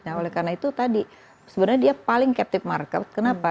nah oleh karena itu tadi sebenarnya dia paling captive market kenapa